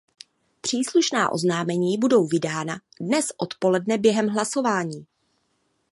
Příslušná oznámení budou vydána dnes odpoledne během hlasování.